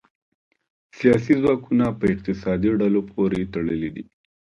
سیاسي ځواکونه په اقتصادي ډلو پورې تړلي دي